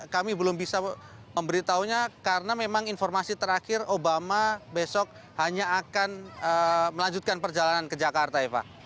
kami belum bisa memberitahunya karena memang informasi terakhir obama besok hanya akan melanjutkan perjalanan ke jakarta eva